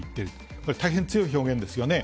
これ大変強い表現ですよね。